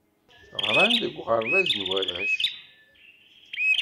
Ɣran deg uɣerbaz n warrac.